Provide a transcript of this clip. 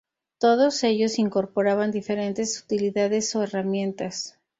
Todos ellos incorporaban diferentes utilidades o herramientas.